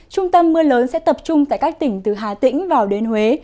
trung tâm mưa lớn sẽ tập trung tại các tỉnh từ hà tĩnh vào đến huế